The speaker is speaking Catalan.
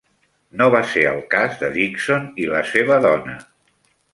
No va ser el cas de Dickson i la seva dona.